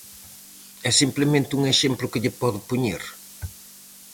É simplemente un exemplo que lle podo poñer.